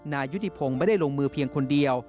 นายยุติพงศ์ไม่ได้ลงมือเพียงคนเดียว